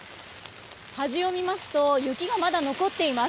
端を見ますと雪がまだ残っています。